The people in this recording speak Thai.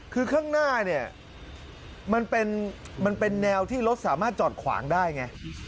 คือข้างหน้าเนี่ยมันเป็นแนวที่รถสามารถจอดขวางได้ไง